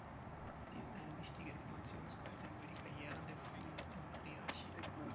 Sie ist eine wichtige Informationsquelle über die Karrieren der frühen Embriachi.